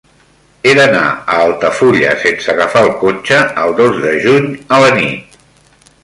He d'anar a Altafulla sense agafar el cotxe el dos de juny a la nit.